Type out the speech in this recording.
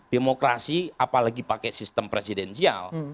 demokrasi apalagi pakai sistem presidensial